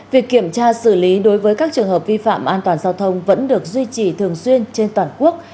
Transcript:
việc kiểm tra xử lý đối với các trường hợp vi phạm an toàn giao thông vẫn được duy trì thường xuyên trên toàn quốc